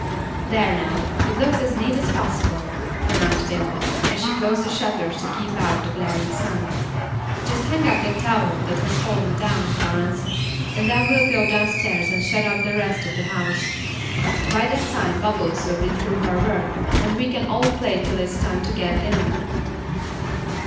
"There, now, it looks as neat as possible," pronounced Dimple, as she closed the shutters to keep out the glaring sun. "Just hang up that towel that has fallen down, Florence, and then we'll go downstairs and shut up the rest of the house; by that time Bubbles will be through her work, and we can all play till it is time to get dinner."